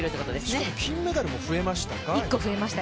しかも金メダルも増えましたか。